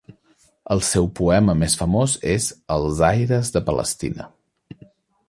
El seu poema més famós és "Els aires de Palestina".